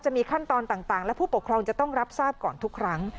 ขั้นตอนต่างและผู้ปกครองจะต้องรับทราบก่อนทุกครั้ง